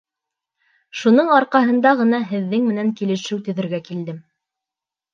Шуның арҡаһында ғына һеҙҙең менән килешеү төҙөргә килдем.